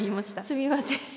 すみません。